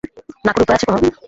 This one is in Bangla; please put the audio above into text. না করে উপায় আছে কোনো?